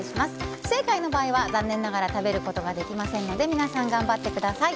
不正解の場合は、残念ながら食べることができませんので皆さん頑張ってください。